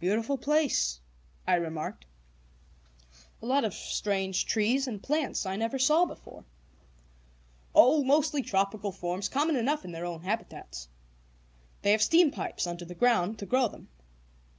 "Beautiful place," I remarked. "A lot of strange trees and plants I never saw before " "Oh, mostly tropical forms, common enough in their own habitats. They have steam pipes under the ground to grow them.